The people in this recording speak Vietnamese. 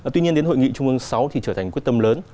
tuy nhiên đến hội nghị trung ương sáu thì trở thành quyết tâm lớn